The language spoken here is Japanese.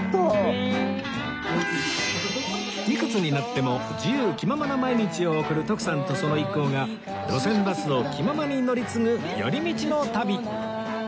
いくつになっても自由気ままな毎日を送る徳さんとその一行が路線バスを気ままに乗り継ぐ寄り道の旅